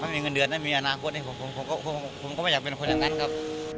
ไม่มีเงินเดือนไม่มีอนาคตผมก็ไม่อยากเป็นคนอย่างนั้นครับ